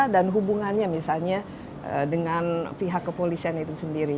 dan hubungannya misalnya dengan pihak kepolisian itu sendiri